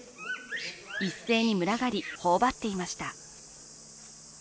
一斉に群がり、頬張っていました。